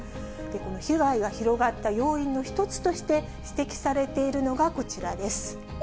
被害が広がった要因の１つとして指摘されているのがこちらです。